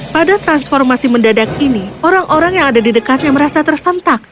pada transformasi mendadak ini orang orang yang ada di dekatnya merasa tersentak